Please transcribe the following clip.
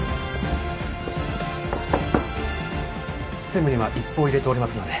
専務には一報入れておりますので。